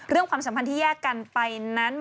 ความสัมพันธ์ที่แยกกันไปนั้น